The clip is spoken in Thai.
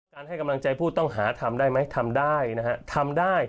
ให้กำลังใจผู้ต้องหาทำได้ไหมทำได้นะฮะทำได้